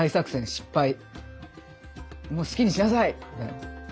「もう好きにしなさい！」。